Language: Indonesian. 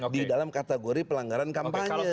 di dalam kategori pelanggaran kampanye